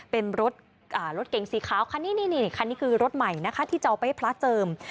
เป็นรถเก่งสีขาวคันนี้นี่คันนี้คือรถใหม่นะคะที่จะเอาไปให้พระเจิม